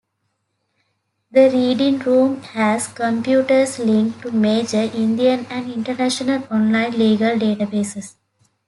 The reading room has computers linked to major Indian and international online legal databases.